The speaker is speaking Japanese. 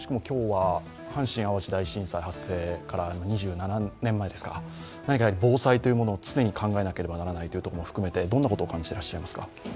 今日は阪神・淡路大震災発生から２７年ですか、何か防災というものを常に考えなければならないということを含めてどんなことを感じてらっしゃいますか？